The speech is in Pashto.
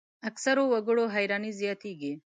اکثرو وګړو حیراني زیاتېږي.